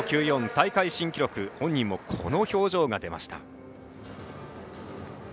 大会新記録本人もこの表情が出ました。